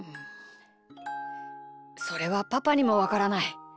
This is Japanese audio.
それはパパにもわからない。